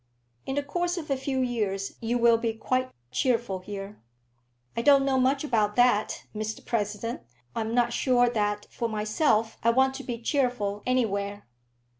"In the course of a few years you will be quite cheerful here." "I don't know much about that, Mr President. I'm not sure that for myself I want to be cheerful anywhere.